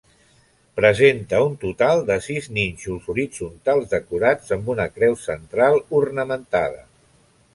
Presenta un total de sis nínxols horitzontals decorats amb una creu central ornamentada.